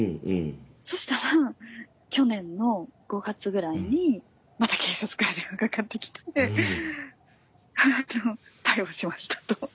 そしたら去年の５月ぐらいにまた警察から電話かかってきて逮捕しましたと。